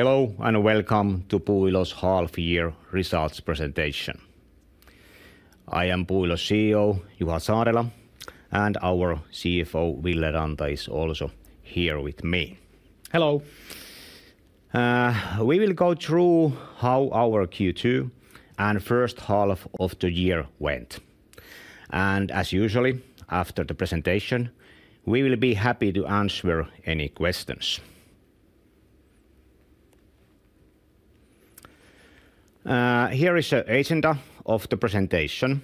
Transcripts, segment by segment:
Hello, and welcome to Puuilo's half-year results presentation. I am Puuilo's CEO, Juha Saarela, and our CFO, Ville Ranta, is also here with me. Hello! We will go through how our Q2 and H1 of the year went. As usual, after the presentation, we will be happy to answer any questions. Here is an agenda of the presentation.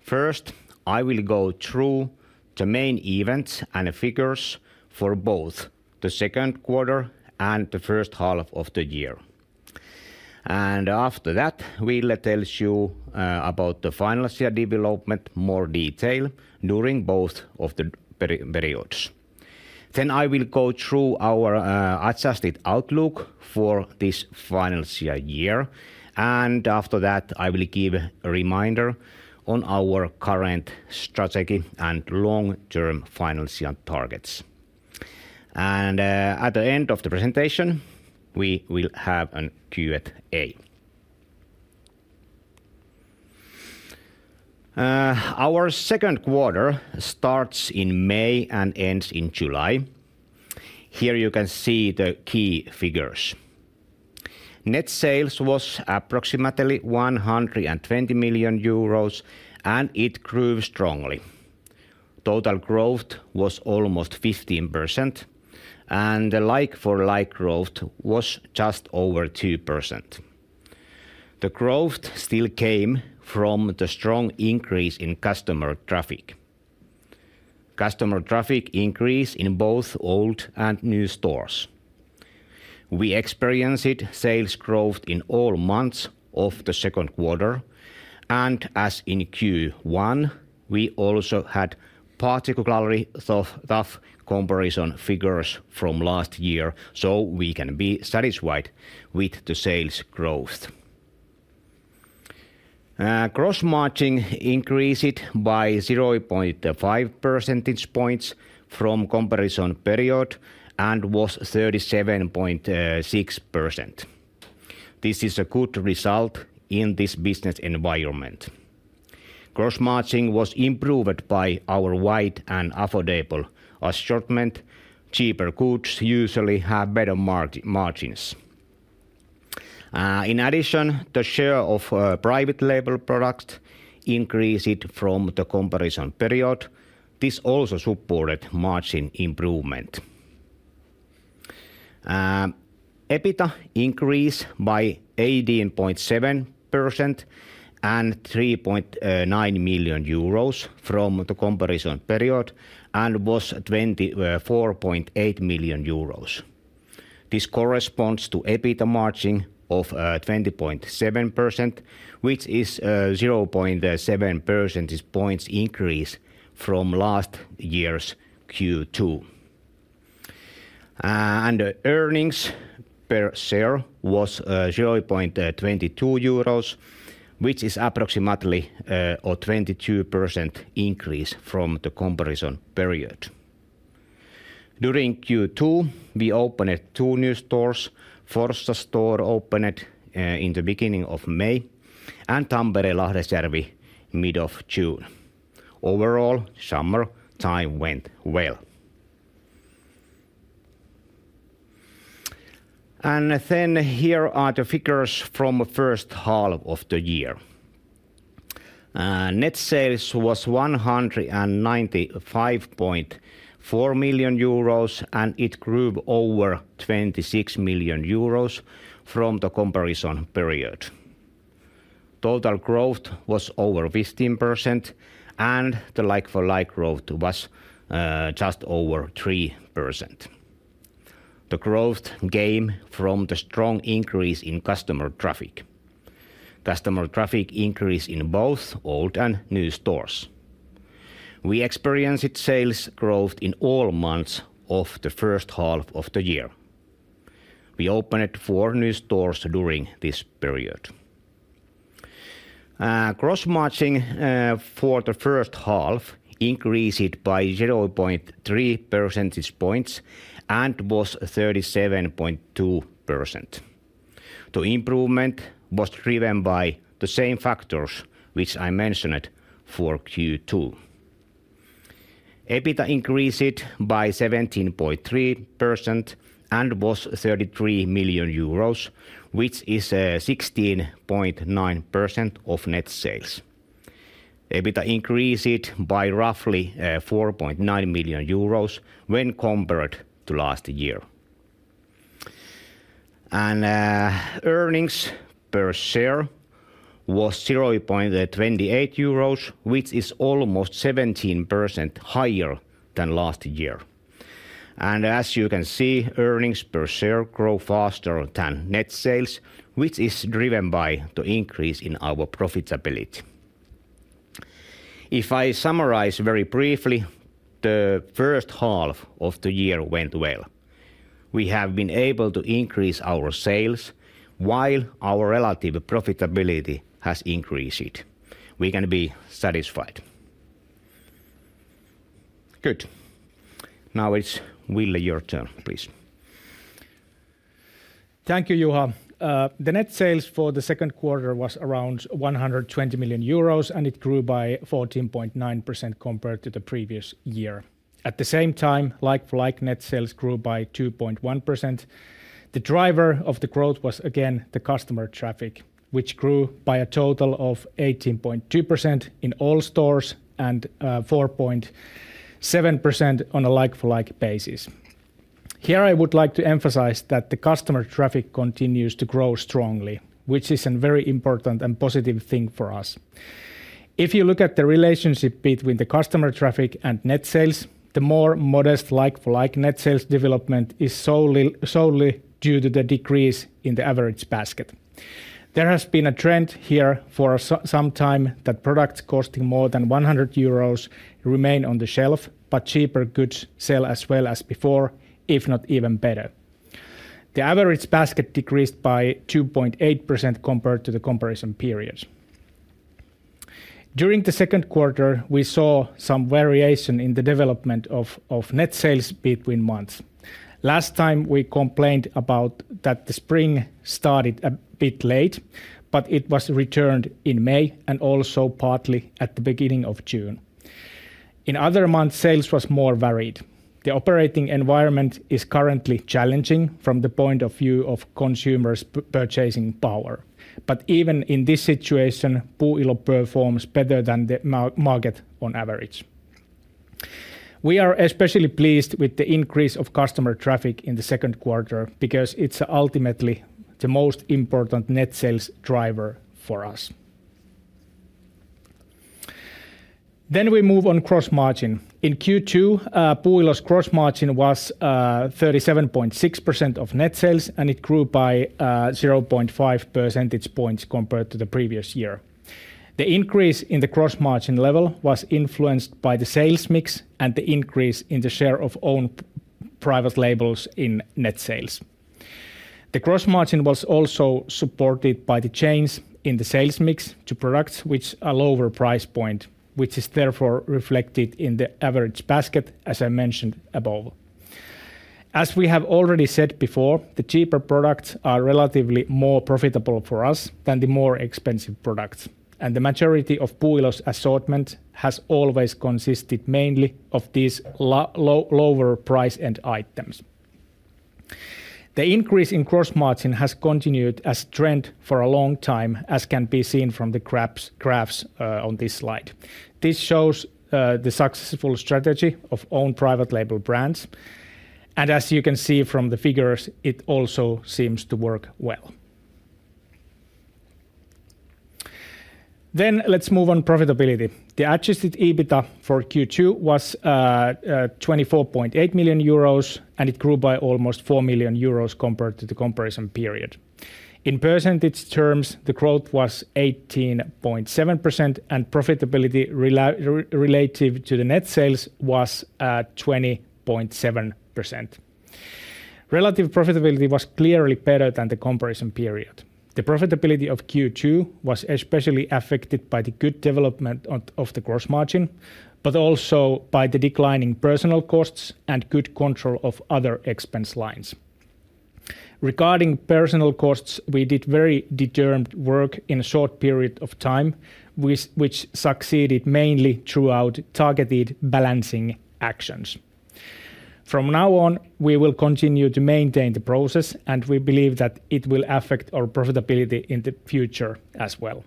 First, I will go through the main events and the figures for both the Q2 and the H1 of the year. After that, Ville tells you about the financial development more detail during both of the periods. I will go through our adjusted outlook for this financial year, and after that, I will give a reminder on our current strategy and long-term financial targets. At the end of the presentation, we will have a Q&A. Our Q2 starts in May and ends in July. Here you can see the key figures. Net sales was approximately 120 million euros, and it grew strongly. Total growth was almost 15%, and the like for like growth was just over 2%. The growth still came from the strong increase in customer traffic. Customer traffic increased in both old and new stores. We experienced sales growth in all months of the Q2 and as in Q1, we also had particularly tough comparison figures from last year, so we can be satisfied with the sales growth. Gross margin increased by 0.5 percentage points from comparison period and was 37.6%. This is a good result in this business environment. Gross margin was improved by our wide and affordable assortment. Cheaper goods usually have better margins. In addition, the share of private label product increased from the comparison period. This also supported margin improvement. EBITDA increased by 18.7% and 3.9 million euros from the comparison period and was 24.8 million euros. This corresponds to EBITDA margin of 20.7%, which is 0.7 percentage points increase from last year's Q2, and the earnings per share was 0.22 euros, which is approximately a 22% increase from the comparison period. During Q2, we opened two new stores. Forssa store opened in the beginning of May, and Tampere-Lahdesjärvi mid June. Overall, summertime went well, and then here are the figures from H1 of the year. Net sales was 195.4 million euros, and it grew over 26 million euros from the comparison period. Total growth was over 15%, and the like-for-like growth was just over 3%. The growth came from the strong increase in customer traffic. Customer traffic increased in both old and new stores. We experienced sales growth in all months of the H1 of the year. We opened four new stores during this period. Gross margin for the H1 increased by 0.3 percentage points and was 37.2%. The improvement was driven by the same factors which I mentioned for Q2. EBITDA increased by 17.3% and was 33 million euros, which is 16.9% of net sales. EBITDA increased by roughly 4.9 million euros when compared to last year, and earnings per share was 0.28 euros, which is almost 17% higher than last year. As you can see, earnings per share grow faster than net sales, which is driven by the increase in our profitability. If I summarize very briefly, the H1 of the year went well. We have been able to increase our sales while our relative profitability has increased. We can be satisfied. Good. Now it's Ville, your turn, please. Thank you, Juha. The net sales for the Q2 was around 120 million euros, and it grew by 14.9% compared to the previous year. At the same time, like-for-like net sales grew by 2.1%. The driver of the growth was, again, the customer traffic, which grew by a total of 18.2% in all stores and 4.7% on a like-for-like basis. Here, I would like to emphasize that the customer traffic continues to grow strongly, which is a very important and positive thing for us. If you look at the relationship between the customer traffic and net sales, the more modest like-for-like net sales development is solely, solely due to the decrease in the average basket. There has been a trend here for sometime that products costing more than 100 euros remain on the shelf, but cheaper goods sell as well as before, if not even better. The average basket decreased by 2.8% compared to the comparison period. During the Q2, we saw some variation in the development of net sales between months. Last time, we complained about that the spring started a bit late, but it was returned in May and also partly at the beginning of June. In other months, sales was more varied. The operating environment is currently challenging from the point of view of consumers' purchasing power. But even in this situation, Puuilo performs better than the market on average. We are especially pleased with the increase of customer traffic in the Q2, because it's ultimately the most important net sales driver for us. Then we move on gross margin. In Q2, Puuilo's gross margin was 37.6% of net sales, and it grew by 0.5 percentage points compared to the previous year. The increase in the gross margin level was influenced by the sales mix and the increase in the share of own private labels in net sales. The gross margin was also supported by the change in the sales mix to products with a lower price point, which is therefore reflected in the average basket, as I mentioned above. As we have already said before, the cheaper products are relatively more profitable for us than the more expensive products, and the majority of Puuilo's assortment has always consisted mainly of these lower price end items. The increase in gross margin has continued as a trend for a long time, as can be seen from the graphs on this slide. This shows the successful strategy of own private label brands, and as you can see from the figures, it also seems to work well. Let's move on to profitability. The Adjusted EBITDA for Q2 was 24.8 million euros, and it grew by almost 4 million euros compared to the comparison period. In percentage terms, the growth was 18.7%, and profitability relative to the net sales was 20.7%. Relative profitability was clearly better than the comparison period. The profitability of Q2 was especially affected by the good development of the gross margin, but also by the declining personnel costs and good control of other expense lines. Regarding personnel costs, we did very determined work in a short period of time, which succeeded mainly through targeted balancing actions. From now on, we will continue to maintain the process, and we believe that it will affect our profitability in the future as well.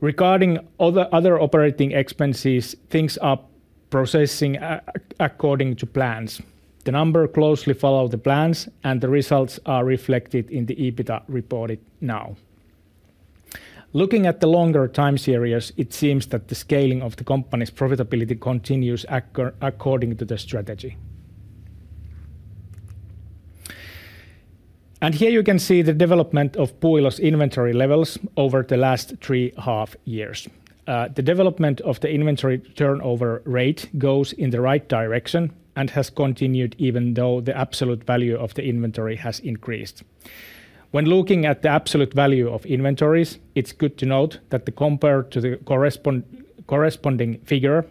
Regarding other operating expenses, things are proceeding according to plans. The numbers closely follow the plans, and the results are reflected in the EBITDA reported now. Looking at the longer time series, it seems that the scaling of the company's profitability continues according to the strategy. Here you can see the development of Puuilo's inventory levels over the last three half years. The development of the inventory turnover rate goes in the right direction and has continued even though the absolute value of the inventory has increased. When looking at the absolute value of inventories, it's good to note that, compared to the corresponding figure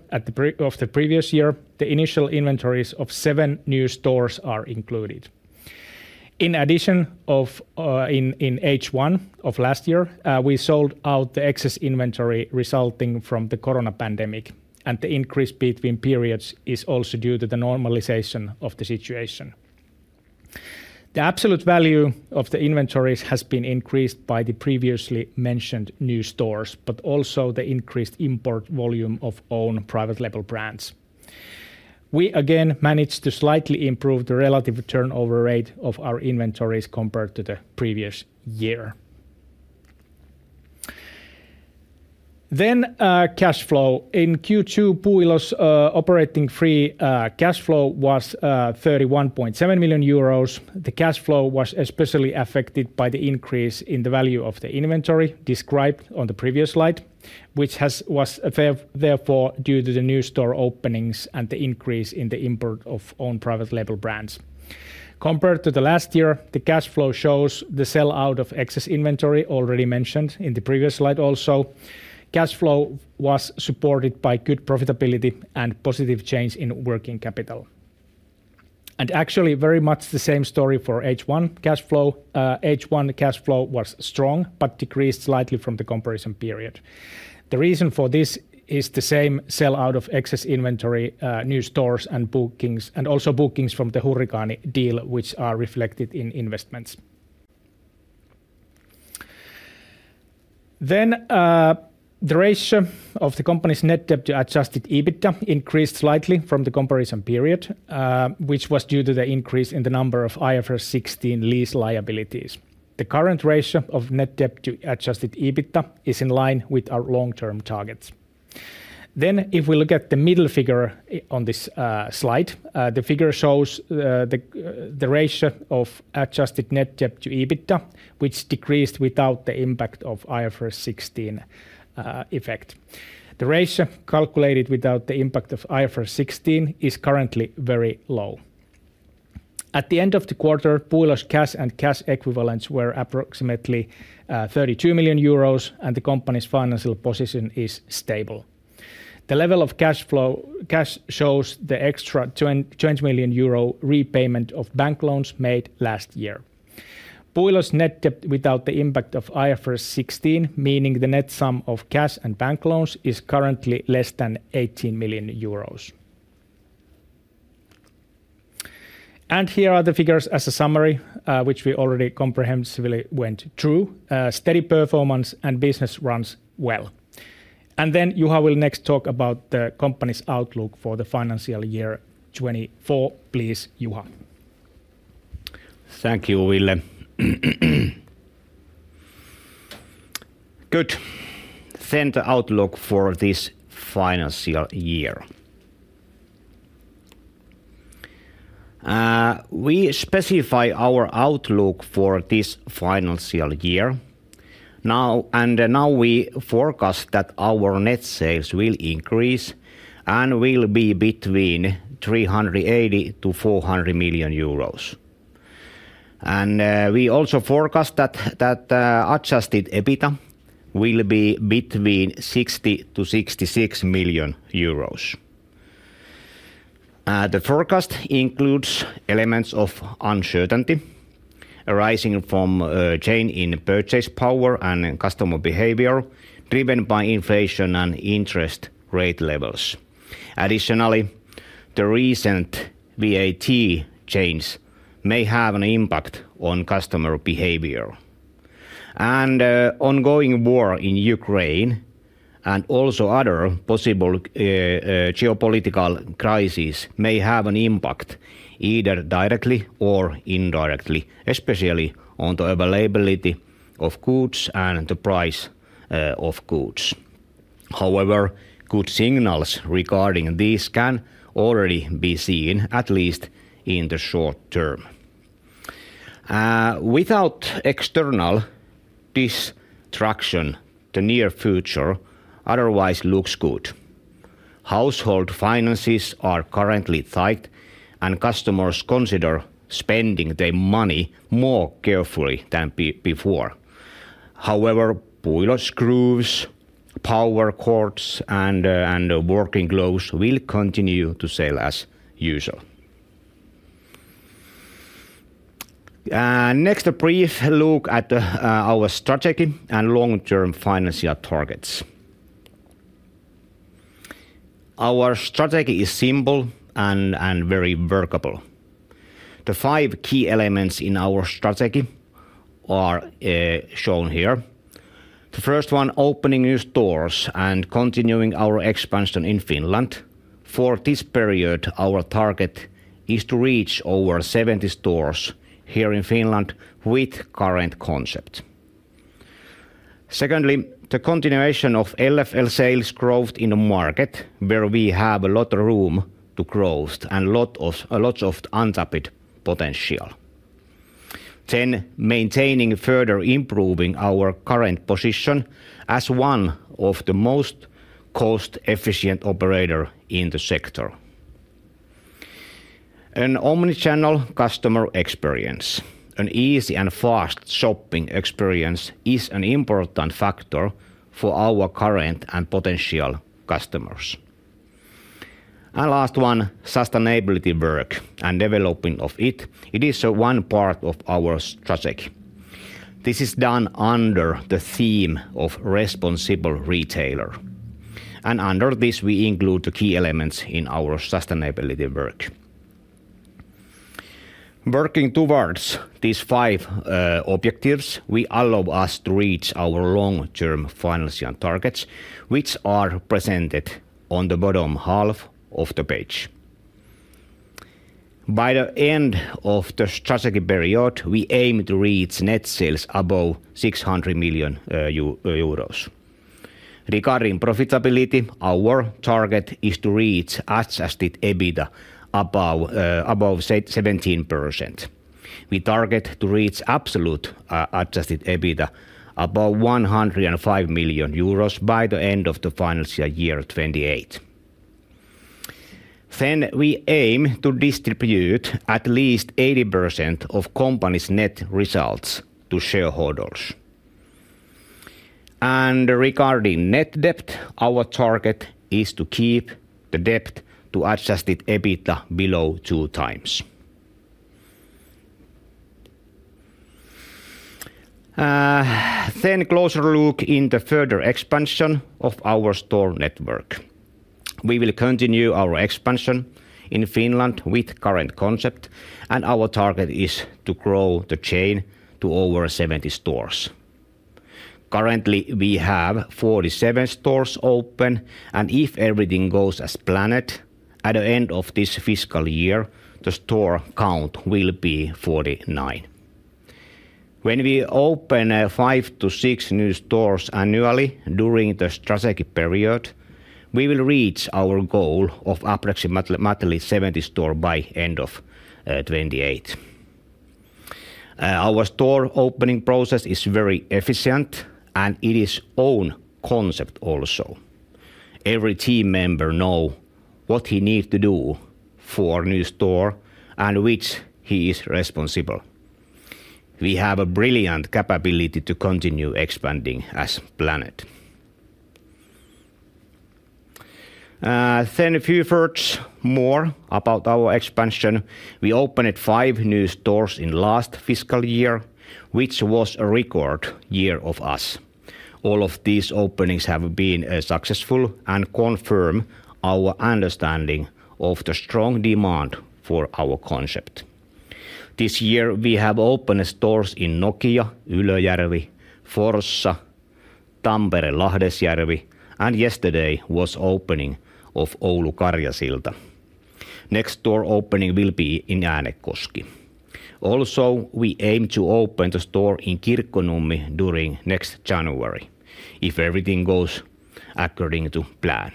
of the previous year, the initial inventories of seven new stores are included. In addition, in H1 of last year, we sold out the excess inventory resulting from the coronavirus pandemic, and the increase between periods is also due to the normalization of the situation. The absolute value of the inventories has been increased by the previously mentioned new stores, but also the increased import volume of own private label brands. We again managed to slightly improve the relative turnover rate of our inventories compared to the previous year. Then, cash flow. In Q2, Puuilo's operating free cash flow was 31.7 million euros. The cash flow was especially affected by the increase in the value of the inventory described on the previous slide, which was, therefore, due to the new store openings and the increase in the import of own private label brands. Compared to the last year, the cash flow shows the sell out of excess inventory already mentioned in the previous slide also. Cash flow was supported by good profitability and positive change in working capital. And actually very much the same story for H1 cash flow. H1 cash flow was strong, but decreased slightly from the comparison period. The reason for this is the same sellout of excess inventory, new stores and bookings, and also bookings from the Hurrikaani deal, which are reflected in investments. Then, the ratio of the company's net debt to Adjusted EBITDA increased slightly from the comparison period, which was due to the increase in the number of IFRS 16 lease liabilities. The current ratio of net debt to Adjusted EBITDA is in line with our long-term targets. Then, if we look at the middle figure on this slide, the figure shows the ratio of adjusted net debt to EBITDA, which decreased without the impact of IFRS 16 effect. The ratio, calculated without the impact of IFRS 16, is currently very low. At the end of the quarter, Puuilo's cash and cash equivalents were approximately 32 million euros, and the company's financial position is stable. The level of cash flow, cash shows the extra 20 million euro repayment of bank loans made last year. Puuilo's net debt without the impact of IFRS 16, meaning the net sum of cash and bank loans, is currently less than 18 million euros. Here are the figures as a summary, which we already comprehensively went through. Steady performance and business runs well. Then Juha will next talk about the company's outlook for the financial year 2024. Please, Juha. Thank you, Ville. Good. Then the outlook for this financial year. We specify our outlook for this financial year now, and we forecast that our net sales will increase and will be between 380 million to 400 million euros. We also forecast that Adjusted EBITDA will be between 60 million to 66 million euros. The forecast includes elements of uncertainty arising from a change in purchasing power and customer behavior, driven by inflation and interest rate levels. Additionally, the recent VAT change may have an impact on customer behavior. Ongoing war in Ukraine and also other possible geopolitical crises may have an impact, either directly or indirectly, especially on the availability of goods and the price of goods. However, good signals regarding this can already be seen, at least in the short term. Without external distraction, the near future otherwise looks good. Household finances are currently tight, and customers consider spending their money more carefully than before. However, Puuilo screws, power cords, and working gloves will continue to sell as usual. Next, a brief look at our strategy and long-term financial targets. Our strategy is simple and very workable. The 5 key elements in our strategy are shown here. The first one, opening new stores and continuing our expansion in Finland. For this period, our target is to reach over 70 stores here in Finland with current concept. Secondly, the continuation of LFL sales growth in the market, where we have a lot of room to grow and a lot of untapped potential. Then, maintaining, further improving our current position as one of the most cost-efficient operator in the sector. An Omnichannel customer experience, an easy and fast shopping experience, is an important factor for our current and potential customers, and last one, sustainability work and developing of it. It is one part of our strategy. This is done under the theme of responsible retailer, and under this, we include the key elements in our sustainability work. Working towards these five objectives will allow us to reach our long-term financial targets, which are presented on the bottom half of the page. By the end of the strategy period, we aim to reach net sales above 600 million euros. Regarding profitability, our target is to reach Adjusted EBITDA above 17%. We target to reach absolute Adjusted EBITDA above 105 million euros by the end of the financial year 2028. We aim to distribute at least 80% of the company's net results to shareholders. And regarding net debt, our target is to keep the debt to Adjusted EBITDA below two times. Then a closer look at the further expansion of our store network. We will continue our expansion in Finland with current concept, and our target is to grow the chain to over 70 stores. Currently, we have 47 stores open, and if everything goes as planned, at the end of this fiscal year, the store count will be 49. When we open 5-6 new stores annually during the strategic period, we will reach our goal of approximately 70 stores by end of 2028. Our store opening process is very efficient, and it is our own concept also. Every team member know what he needs to do for a new store and which he is responsible. We have a brilliant capability to continue expanding as planned. Then a few words more about our expansion. We opened five new stores in last fiscal year, which was a record year of us. All of these openings have been successful and confirm our understanding of the strong demand for our concept. This year, we have opened stores in Nokia, Ylöjärvi, Forssa, Tampere, Lahdesjärvi, and yesterday was opening of Oulu Karjasilta. Next store opening will be in Äänekoski. Also, we aim to open the store in Kirkkonummi during next January, if everything goes according to plan.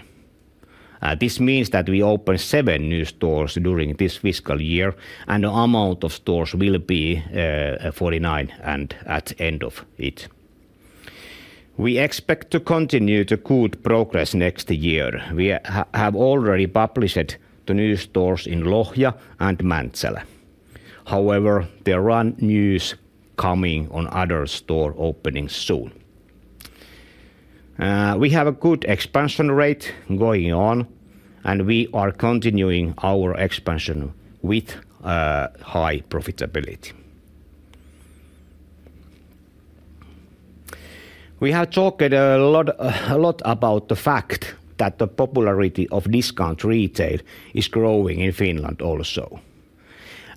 This means that we open seven new stores during this fiscal year, and the amount of stores will be forty-nine and at end of it. We expect to continue the good progress next year. We have already published the new stores in Lohja and Mäntsälä. However, there are news coming on other store openings soon. We have a good expansion rate going on, and we are continuing our expansion with high profitability. We have talked a lot about the fact that the popularity of discount retail is growing in Finland also.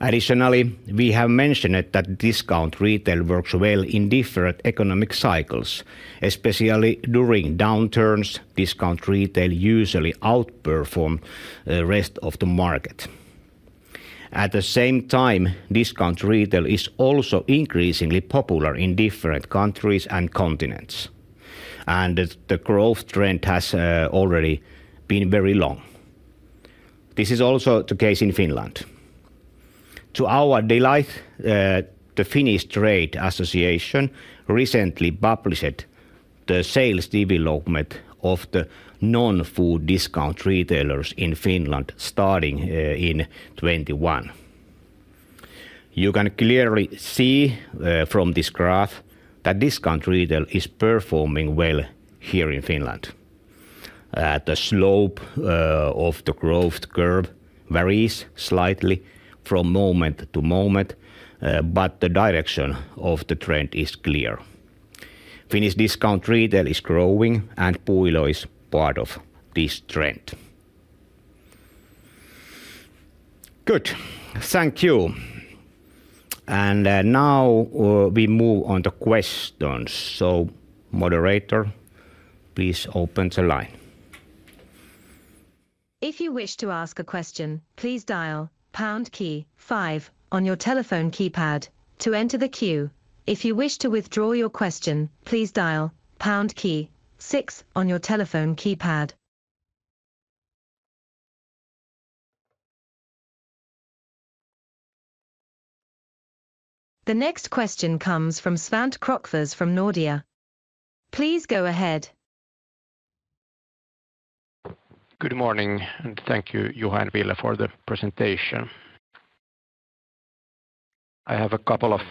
Additionally, we have mentioned that discount retail works well in different economic cycles. Especially during downturns, discount retail usually outperform rest of the market. At the same time, discount retail is also increasingly popular in different countries and continents, and the growth trend has already been very long. This is also the case in Finland. To our delight, the Finnish Trade Association recently published the sales development of the non-food discount retailers in Finland, starting in 2021. You can clearly see from this graph that discount retail is performing well here in Finland, the slope of the growth curve varies slightly from moment to moment, but the direction of the trend is clear. Finnish discount retail is growing, and Puuilo is part of this trend. Good. Thank you, and now we move on to questions. So, moderator, please open the line. If you wish to ask a question, please dial pound key five on your telephone keypad to enter the queue. If you wish to withdraw your question, please dial pound key six on your telephone keypad. The next question comes from Svante Krokfors from Nordea. Please go ahead. Good morning, and thank you, Juha and Ville, for the presentation. I have a couple of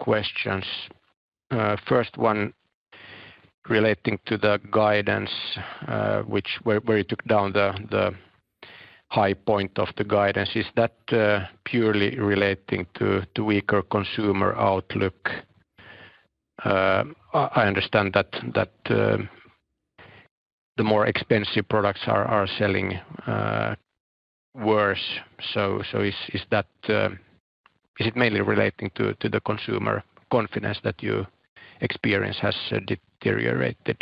questions. First one relating to the guidance, which where you took down the high point of the guidance. Is that purely relating to weaker consumer outlook? I understand that the more expensive products are selling worse, so is that. Is it mainly relating to the consumer confidence that you experience has deteriorated?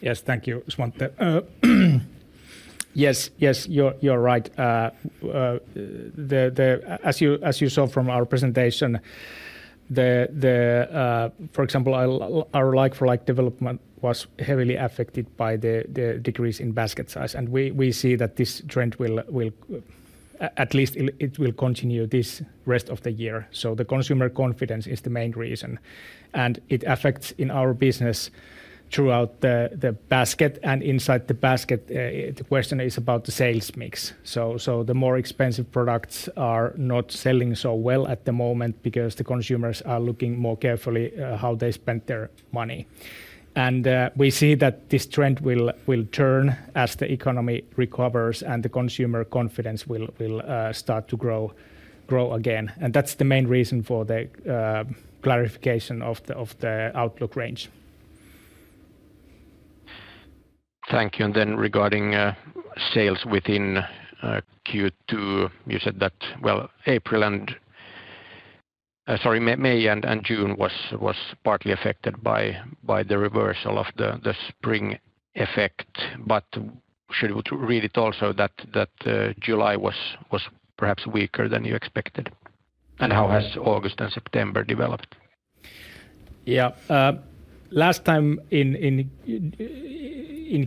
Yes, thank you, Svante. Yes, you're right. As you saw from our presentation, for example, our like-for-like development was heavily affected by the decrease in basket size, and we see that this trend will at least continue for the rest of the year. So the consumer confidence is the main reason, and it affects our business throughout the basket. And inside the basket, the question is about the sales mix. So the more expensive products are not selling so well at the moment because the consumers are looking more carefully how they spend their money. And we see that this trend will turn as the economy recovers and the consumer confidence will start to grow again. And that's the main reason for the clarification of the outlook range. Thank you. And then regarding sales within Q2, you said that, well, April and, sorry, May and June was partly affected by the reversal of the spring effect, but should we read it also that July was perhaps weaker than you expected? And how has August and September developed? Yeah. Last time in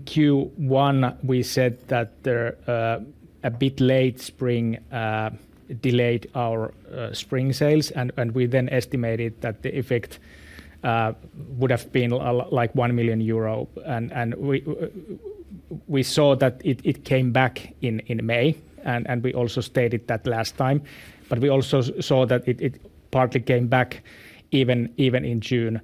Q1, we said that there a bit late spring delayed our spring sales, and we then estimated that the effect would have been like 1 million euro. And we saw that it came back in May, and we also stated that last time, but we also saw that it partly came back even in June.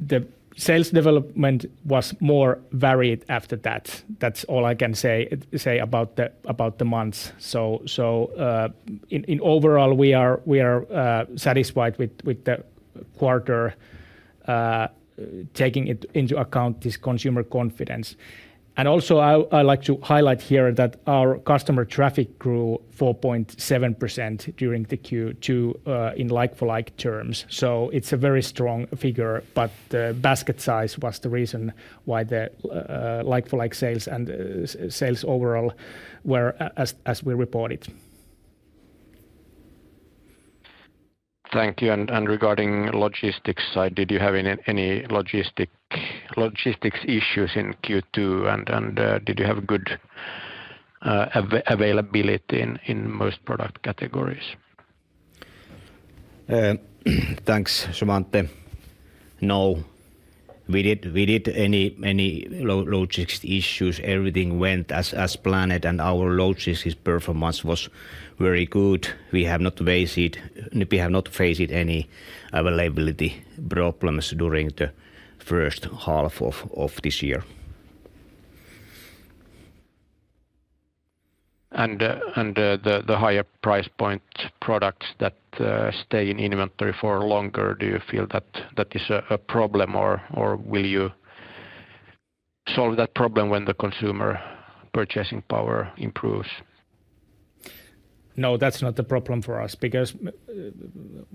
The sales development was more varied after that. That's all I can say about the months. So overall, we are satisfied with the quarter, taking it into account, this consumer confidence. And also, I like to highlight here that our customer traffic grew 4.7% during the Q2, in like-for-like terms, so it's a very strong figure. But the basket size was the reason why the like-for-like sales and sales overall were as we reported. Thank you. And regarding logistics side, did you have any logistics issues in Q2, and did you have good availability in most product categories? Thanks, Svante. No, we didn't have any logistics issues. Everything went as planned, and our logistics performance was very good. We have not faced any availability problems during the H1 of this year. The higher price point products that stay in inventory for longer, do you feel that is a problem, or will you solve that problem when the consumer purchasing power improves? No, that's not a problem for us because,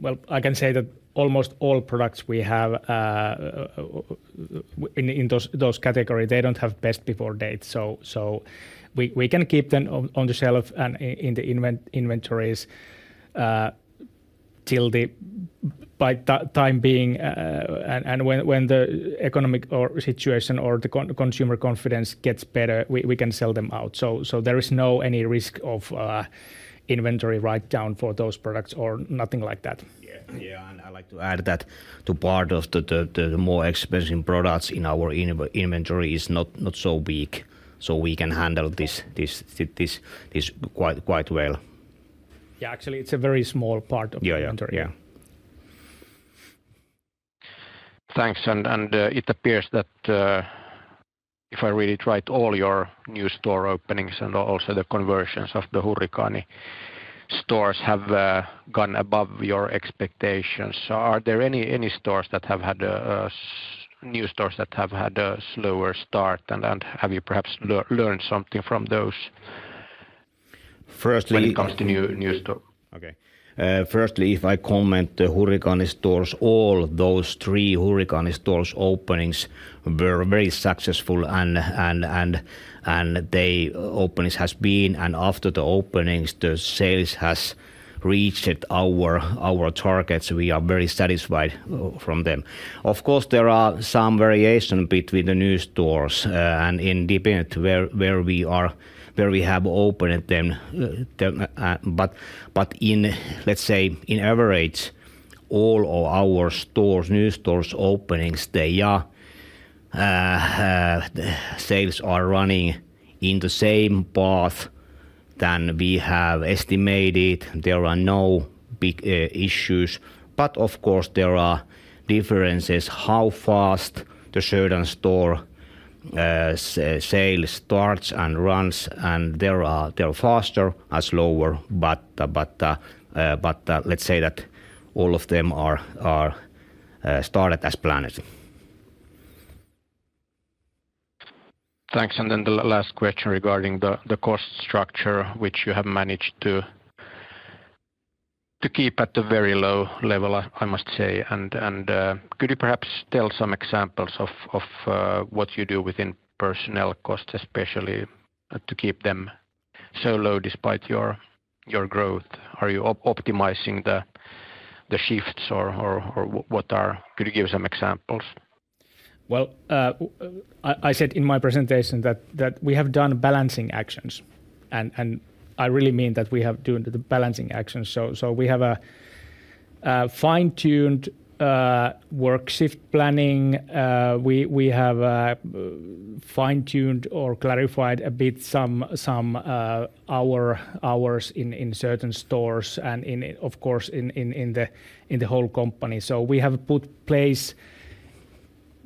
Well, I can say that almost all products we have in those categories, they don't have best before date, so we can keep them on the shelf and in the inventories by time being, and when the economic situation or the consumer confidence gets better, we can sell them out. So there is no any risk of inventory write-down for those products or nothing like that. Yeah, yeah, and I'd like to add that, too. Part of the more expensive products in our inventory is not so big, so we can handle this quite well. Yeah, actually, it's a very small part of the inventory. Yeah, yeah. Yeah. Thanks. It appears that if I read it right, all your new store openings and also the conversions of the Hurrikaani stores have gone above your expectations. So are there any stores that have had a slower start? And have you perhaps learned something from those- Firstly- When it comes to new store? Okay. Firstly, if I comment the Hurrikaani stores, all those three Hurrikaani stores openings were very successful and the openings has been, and after the openings, the sales has reached our targets. We are very satisfied from them. Of course, there are some variation between the new stores and independent where we have opened them. But in, let's say, in average, all of our stores, new stores openings, they are sales are running in the same path than we have estimated. There are no big issues, but of course, there are differences how fast the certain store sale starts and runs, and they're faster or slower. But let's say that all of them are started as planned. Thanks. And then the last question regarding the cost structure, which you have managed to keep at a very low level, I must say. And could you perhaps tell some examples of what you do within personnel costs, especially, to keep them so low despite your growth? Are you optimizing the shifts or what are. Could you give some examples? Well, I said in my presentation that we have done balancing actions, and I really mean that we have done the balancing actions. So we have a fine-tuned work shift planning. We have fine-tuned or clarified a bit some hours in certain stores and, of course, in the whole company. So we have put in place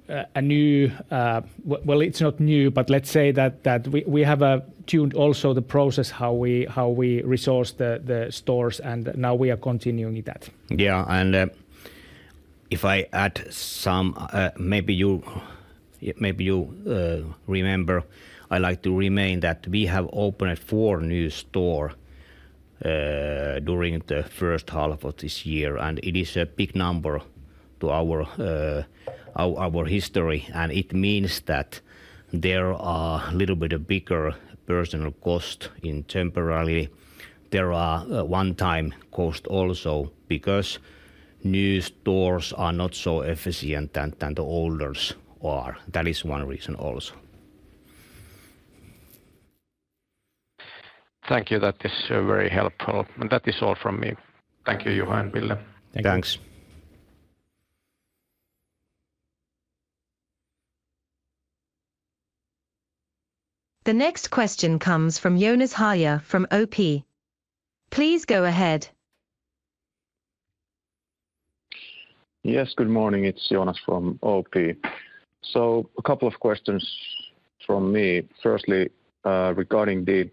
a new. Well, it's not new, but let's say that we have tuned also the process, how we resource the stores, and now we are continuing that. Yeah, and if I add some, maybe you remember, I like to remind that we have opened four new stores during the H1 of this year, and it is a big number to our history. And it means that there are a little bit bigger personnel costs temporarily. There are one-time costs also because new stores are not so efficient than the older stores are. That is one reason also. Thank you. That is very helpful, and that is all from me. Thank you, Juha and Ville. Thanks. The next question comes from Joonas Häyhä from OP. Please go ahead. Yes, good morning, it's Joonas from OP. So a couple of questions from me. Firstly, regarding the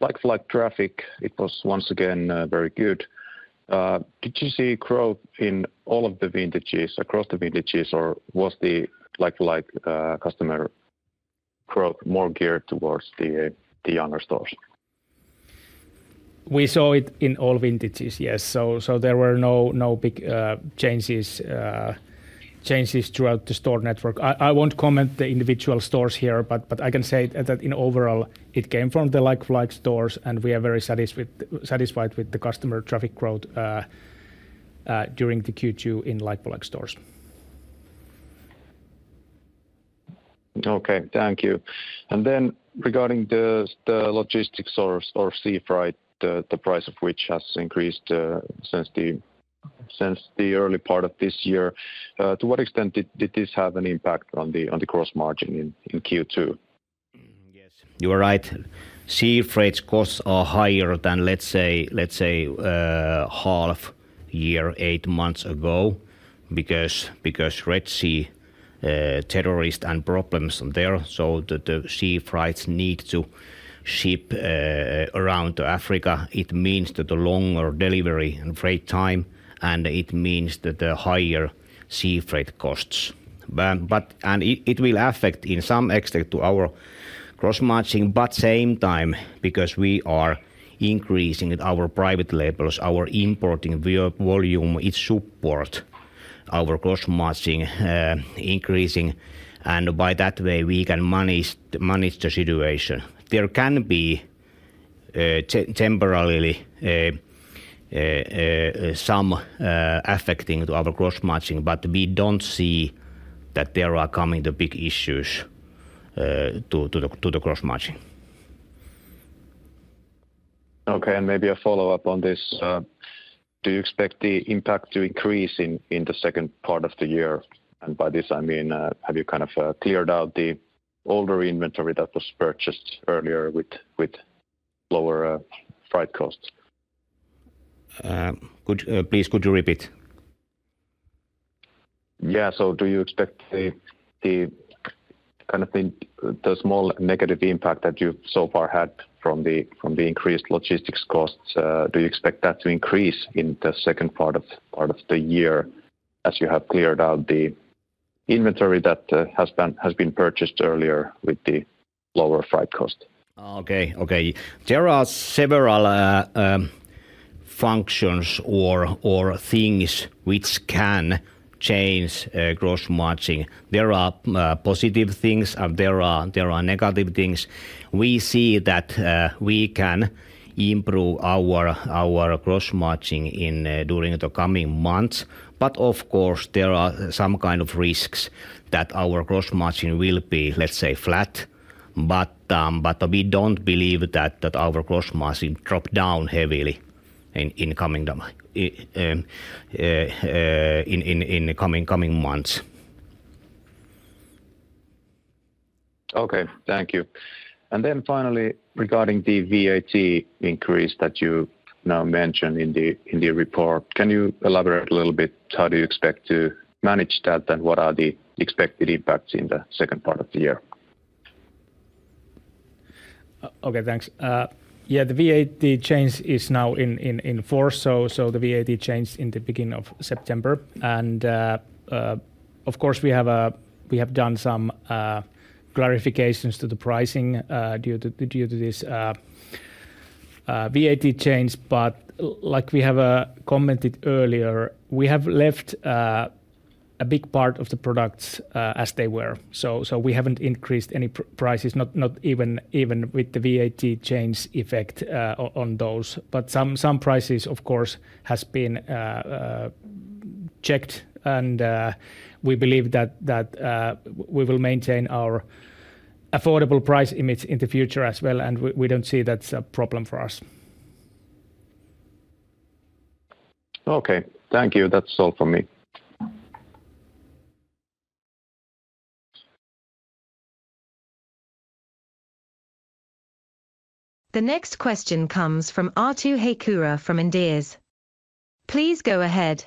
like-for-like traffic, it was once again very good. Did you see growth in all of the vintages, across the vintages, or was the like-for-like customer growth more geared towards the younger stores? We saw it in all vintages, yes. So there were no big changes throughout the store network. I won't comment the individual stores here, but I can say that overall it came from the like-for-like stores, and we are very satisfied with the customer traffic growth during the Q2 in like-for-like stores. Okay, thank you. And then regarding the logistics or sea freight, the price of which has increased since the early part of this year. To what extent did this have an impact on the gross margin in Q2? Yes, you are right. Sea freight costs are higher than, let's say, half year, eight months ago, because Red Sea terrorist and problems there, so the sea freights need to ship around Africa. It means that the longer delivery and freight time, and it means that the higher sea freight costs. But. And it will affect in some extent to our gross margin, but same time, because we are increasing our private labels, our importing volume, it support our gross margin increasing, and by that way, we can manage the situation. There can be temporarily some affecting to our gross margin, but we don't see that there are coming the big issues to the gross margin. Okay, and maybe a follow-up on this. Do you expect the impact to increase in the second part of the year? And by this, I mean, have you kind of cleared out the older inventory that was purchased earlier with lower freight costs? Could you please repeat? Yeah. So do you expect the kind of small negative impact that you've so far had from the increased logistics costs, do you expect that to increase in the second part of the year, as you have cleared out the inventory that has been purchased earlier with the lower freight cost? Okay. There are several functions or things which can change gross margin. There are positive things, and there are negative things. We see that we can improve our gross margin during the coming months. But of course, there are some kind of risks that our gross margin will be, let's say, flat. But we don't believe that our gross margin drop down heavily in coming months. Okay, thank you. And then finally, regarding the VAT increase that you now mentioned in the report, can you elaborate a little bit, how do you expect to manage that, and what are the expected impacts in the second part of the year? Okay, thanks. Yeah, the VAT change is now in force, so the VAT changed in the beginning of September, and of course, we have done some clarifications to the pricing due to this VAT change, but like we have commented earlier, we have left a big part of the products as they were, so we haven't increased any prices, not even with the VAT change effect on those, but some prices, of course, has been checked, and we believe that we will maintain our affordable price image in the future as well, and we don't see that's a problem for us. Okay, thank you. That's all for me. The next question comes from Arttu Heikura from Inderes. Please go ahead.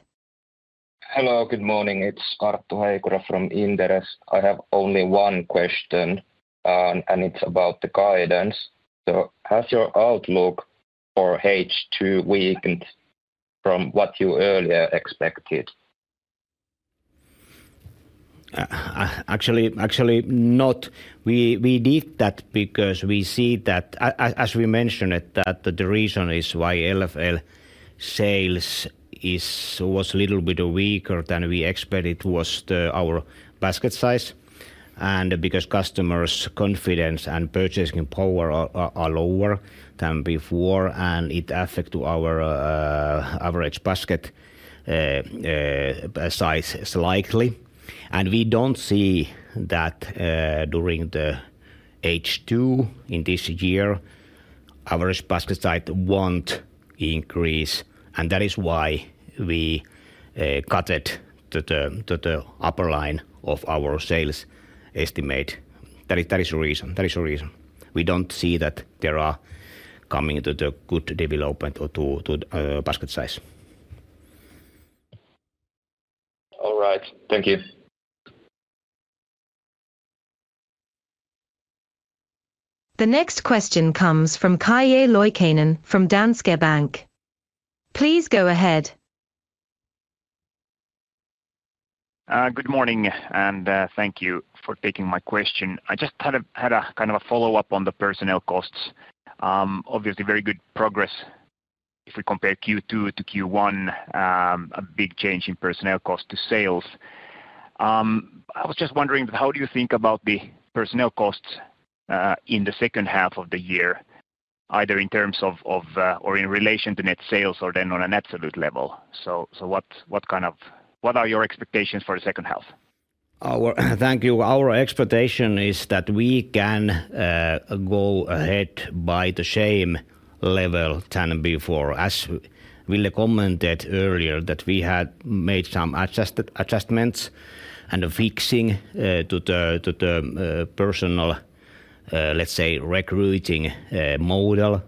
Hello, good morning. It's Arttu Heikura from Inderes. I have only one question, and it's about the guidance. So has your outlook for H2 weakened from what you earlier expected? Actually, not. We did that because we see that as we mentioned it, that the reason is why LFL sales was a little bit weaker than we expected was the, our basket size, and because customers' confidence and purchasing power are lower than before, and it affect to our, average basket, size slightly. And we don't see that, during the H2 in this year, our basket size won't increase, and that is why we, cut it to the upper line of our sales estimate. That is the reason. We don't see that there are coming to the good development or to, basket size. All right. Thank you. The next question comes from Calle Loikkanen from Danske Bank. Please go ahead. Good morning, and thank you for taking my question. I just had a kind of a follow-up on the personnel costs. Obviously, very good progress if we compare Q2 to Q1, a big change in personnel cost to sales. I was just wondering, how do you think about the personnel costs in the H2 of the year, either in terms of or in relation to net sales or then on an absolute level? So, what are your expectations for the H2? Thank you. Our expectation is that we can go ahead by the same level than before. As Ville commented earlier, that we had made some adjustments and a fixing to the personnel recruiting model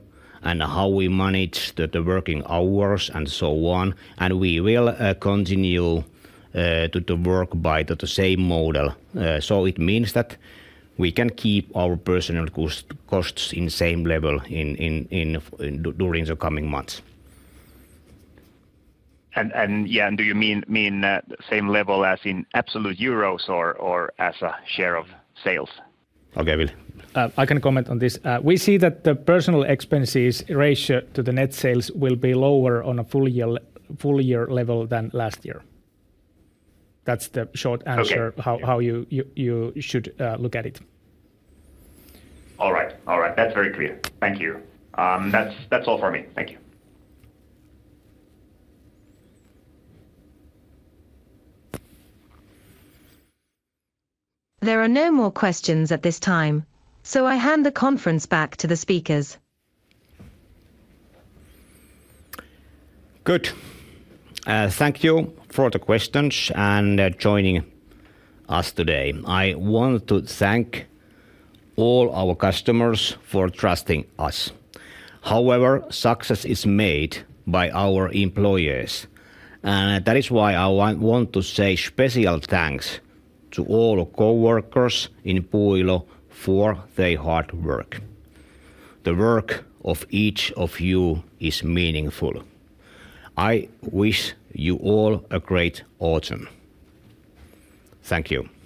and how we manage the working hours and so on, and we will continue to work by the same model. So it means that we can keep our personnel costs in same level during the coming months. Do you mean same level as in absolute euros or as a share of sales? Okay, Ville? I can comment on this. We see that the personnel expenses ratio to the net sales will be lower on a full year level than last year. That's the short answer. Okay How you should look at it. All right. That's very clear. Thank you. That's all for me. Thank you. There are no more questions at this time, so I hand the conference back to the speakers. Good. Thank you for the questions and joining us today. I want to thank all our customers for trusting us. However, success is made by our employees, and that is why I want to say special thanks to all our coworkers in Puuilo for their hard work. The work of each of you is meaningful. I wish you all a great autumn. Thank you.